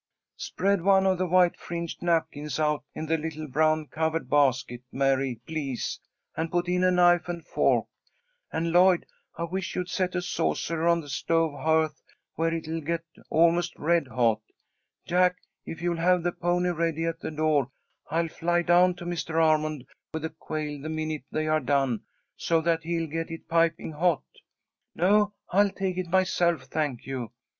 "Spread one of the white fringed napkins out in the little brown covered basket, Mary, please, and put in a knife and fork. And Lloyd, I wish you'd set a saucer on the stove hearth where it'll get almost red hot. Jack, if you'll have the pony ready at the door I'll fly down to Mr. Armond with a quail the minute they are done, so that he'll get it piping hot. No, I'll take it myself, thank you.